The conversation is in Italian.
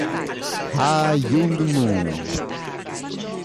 Huh Jung-moo